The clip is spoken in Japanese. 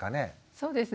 そうですね